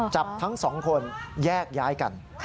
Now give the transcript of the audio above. จับทั้งสองคนแยกย้ายกัน